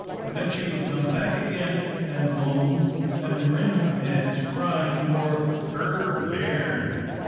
Then she would come back again, and moan and wring her hands, crying for "her bairn."